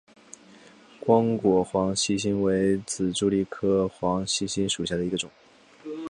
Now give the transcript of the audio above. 光果黄细心为紫茉莉科黄细心属下的一个种。